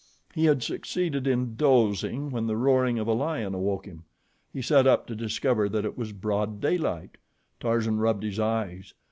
He had succeeded in dozing when the roaring of a lion awoke him. He sat up to discover that it was broad daylight. Tarzan rubbed his eyes.